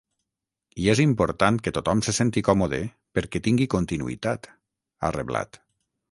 I és important que tothom se senti còmode perquè tingui continuïtat, ha reblat.